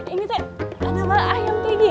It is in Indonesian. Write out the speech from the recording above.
ini tuh ada ayam lagi